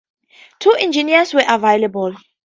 Two engines were available.